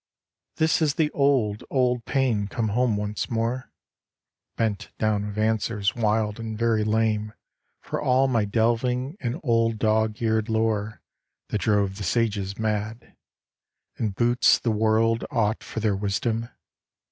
This is the old, old pain come home once more, Bent down with answers wild and very lame For all my delving in old dog eared lore That drove the Sages mad. And boots the world Aught for their wisdom